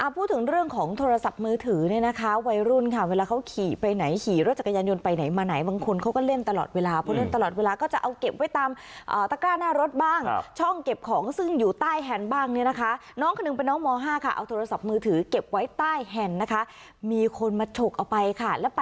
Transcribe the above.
พูดถึงเรื่องของโทรศัพท์มือถือเนี่ยนะคะวัยรุ่นค่ะเวลาเขาขี่ไปไหนขี่รถจักรยานยนต์ไปไหนมาไหนบางคนเขาก็เล่นตลอดเวลาเพราะเล่นตลอดเวลาก็จะเอาเก็บไว้ตามตะกร้าหน้ารถบ้างช่องเก็บของซึ่งอยู่ใต้แฮนด์บ้างเนี่ยนะคะน้องคนหนึ่งเป็นน้องม๕ค่ะเอาโทรศัพท์มือถือเก็บไว้ใต้แฮนด์นะคะมีคนมาฉกเอาไปค่ะ